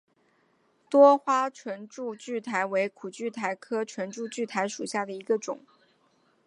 多花唇柱苣苔为苦苣苔科唇柱苣苔属下的一个种。